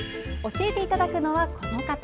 教えていただくのは、この方。